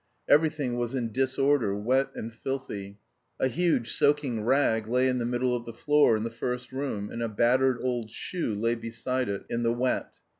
Everything was in disorder, wet and filthy; a huge soaking rag lay in the middle of the floor in the first room, and a battered old shoe lay beside it in the wet.